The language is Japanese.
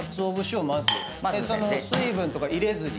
水分とか入れずに？